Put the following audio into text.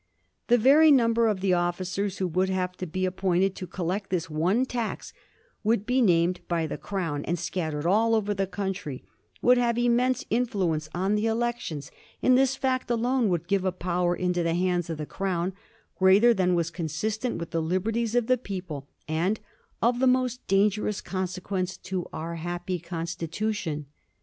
The very number of the officers who would have to be ap pointed to collect this one tax, who would be named by the Crown and scattered all over the country, would have immense influence on the elections ; and Digiti zed by Google 412 A raSTORY OF THE FOUR GEORGES. ch. xx. this fact alone would give a power into the hands of the Crown greater than was consistent with the liberties of the people, and ' of the most dangerous consequence to our happy constitution.'